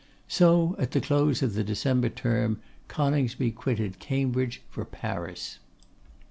So, at the close of the December term, Coningsby quitted Cambridge for Paris.